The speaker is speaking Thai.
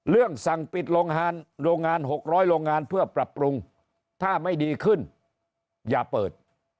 สั่งปิดโรงงานโรงงาน๖๐๐โรงงานเพื่อปรับปรุงถ้าไม่ดีขึ้นอย่าเปิด